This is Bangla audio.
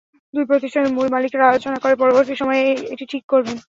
দুই প্রতিষ্ঠানের মূল মালিকেরা আলোচনা করে পরবর্তী সময়ে এটি ঠিক করবেন।